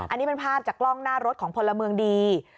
อันนี้เป็นภาพจากกล้องหน้ารถของพลเมืองดี